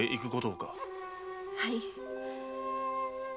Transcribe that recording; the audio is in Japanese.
はい。